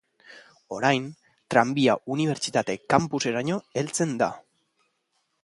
Orain tranbia unibertsitate-campuseraino heltzen da.